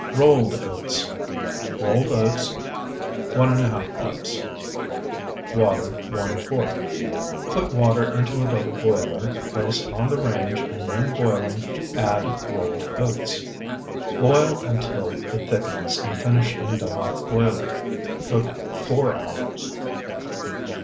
ROLLED OATS Rolled oats, 1½ cups. Water, 1 quart. Put water into a double boiler, place on the range, and when boiling add rolled oats. Boil until it thickens and finish in double boiler. Cook four hours.